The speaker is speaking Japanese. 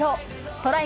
トライ